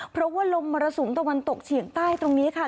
เพราะว่าลมมรสุมตะวันตกเฉียงใต้ตรงนี้ค่ะ